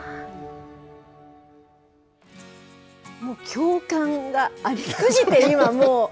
共感がありすぎて、今、もう。